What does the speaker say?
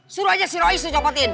suruh aja si royis dicopotin